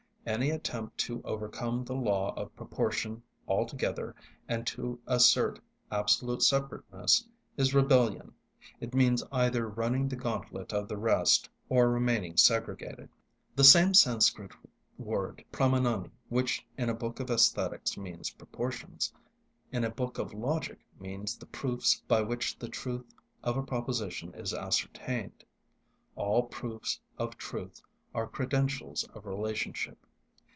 Any attempt to overcome the law of proportion altogether and to assert absolute separateness is rebellion; it means either running the gauntlet of the rest, or remaining segregated. The same Sanskrit word Pramānāni, which in a book of æsthetics means proportions, in a book of logic means the proofs by which the truth of a proposition is ascertained. All proofs of truth are credentials of relationship.